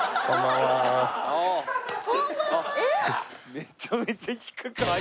めちゃめちゃ低くない？